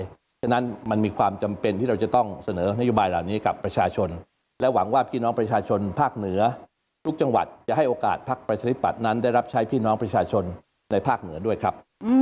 เพราะฉะนั้นมันมีความจำเป็นที่เราจะต้องเสนอนโยบายเหล่านี้กับประชาชนและหวังว่าพี่น้องประชาชนภาคเหนือทุกจังหวัดจะให้โอกาสพักประชาธิปัตย์นั้นได้รับใช้พี่น้องประชาชนในภาคเหนือด้วยครับ